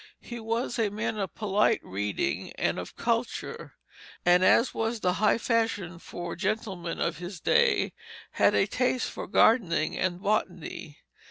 He was a man of polite reading and of culture, and as was the high fashion for gentlemen of his day, had a taste for gardening and botany.